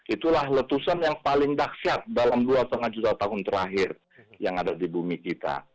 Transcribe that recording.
itulah letusan yang paling dahsyat dalam dua lima juta tahun terakhir yang ada di bumi kita